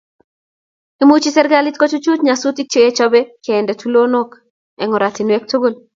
Imuchi serkalit kochuchuch nyasutik kechobei kende tulonok eng oratinwek tugul